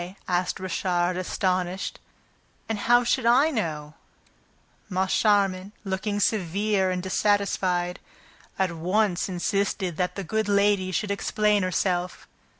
asked Richard, astounded. "And how should I know?" Moncharmin, looking severe and dissatisfied, at once insisted that the good lady should explain herself.